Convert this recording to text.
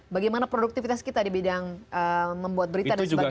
bagaimana produktivitas kita di bidang membuat berita dan sebagainya